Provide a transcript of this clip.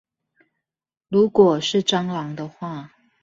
如果是蟑螂的話